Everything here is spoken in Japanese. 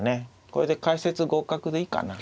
これで解説合格でいいかな。